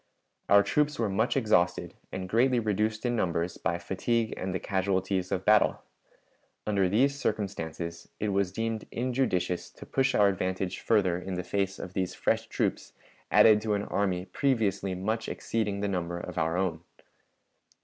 Our troops were much exhausted, and greatly reduced in numbers by fatigue and the casualties of battle. Under these circumstances it was deemed injudicious to push our advantage further in the face of these fresh troops added to an army previously much exceeding the number of our own.